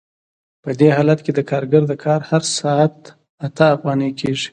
په دې حالت کې د کارګر د کار هر ساعت اته افغانۍ کېږي